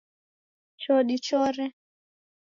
Cho dichore